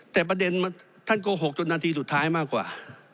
แต่ประเด็นท่านโกหกจนนาทีสุดท้ายมากกว่า